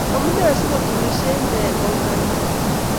Amunee si koturishe inne ko nanyee